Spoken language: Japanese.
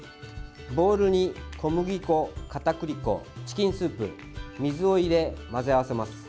ボウルに小麦粉、片栗粉チキンスープ、水を入れ混ぜ合わせます。